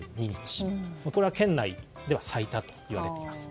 これは県内では最多といわれています。